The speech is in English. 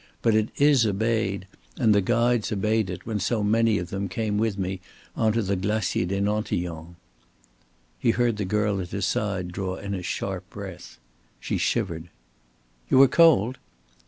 But it is obeyed, and the guides obeyed it when so many of them came with me on to the Glacier des Nantillons." He heard the girl at his side draw in a sharp breath. She shivered. "You are cold?"